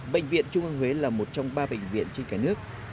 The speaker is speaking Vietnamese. bệnh viện trung ương huế là một trong ba bệnh viện trên cả nước